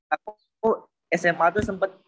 aku sma tuh sempet